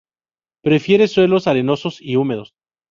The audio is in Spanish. Prefiere suelos arenosos y húmedos.